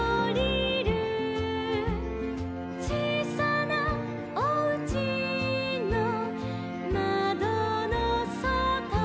「ちいさなおうちのまどのそと」